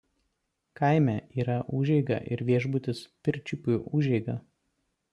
Kaime yra užeiga ir viešbutis „Pirčiupių užeiga“.